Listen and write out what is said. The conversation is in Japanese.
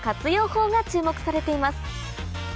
法が注目されています